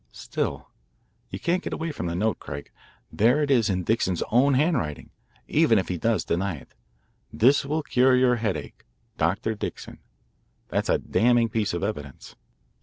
Still, you can't get away from the note, Craig. There it is, in Dixon's own handwriting, even if he does deny it: 'This will cure your headache. Dr. Dixon.' That's a damning piece of evidence."